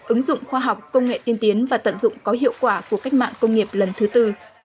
ứng dụng khoa học công nghệ tiên tiến và tận dụng có hiệu quả của cách mạng công nghiệp lần thứ tư